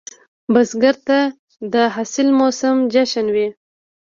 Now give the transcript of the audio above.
بزګر ته د حاصل موسم جشن وي